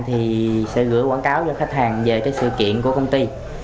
thì sẽ gửi quảng cáo cho khách hàng về sự kiện của công ty